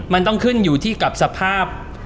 มันต้องขึ้นอยู่ที่กับสภาพ